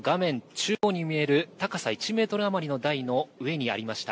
中央に見える高さ１メートル余りの台の上にありました。